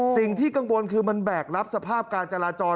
สิ่งที่กังวลคือมันแบกรับสภาพการจราจร